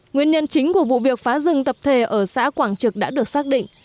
nguyên nhân chính của vụ việc phá rừng tập thể ở xã quảng trực đã được xác định